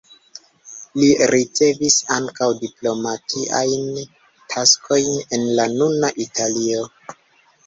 Li ricevis ankaŭ diplomatiajn taskojn en la nuna Italio.